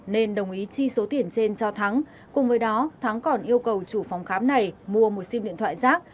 nên đồng ý chi số tiền trên cho thắng cùng với đó thắng còn yêu cầu chủ phòng khám này mua một sim điện thoại rác